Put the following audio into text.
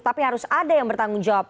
tapi harus ada yang bertanggung jawab